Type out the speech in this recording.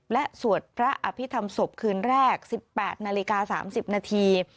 และสวดพระอภิษฐรรมศพคืนแรก๑๘นาฬิกา๓๐นาที